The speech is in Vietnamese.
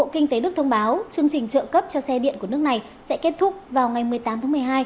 kinh tế đức thông báo chương trình trợ cấp cho xe điện của nước này sẽ kết thúc vào ngày một mươi tám tháng một mươi hai